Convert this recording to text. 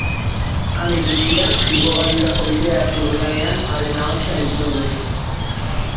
Handik gutxira, igogailurako bidea hartu dudanean, haren ahotsa entzun dut.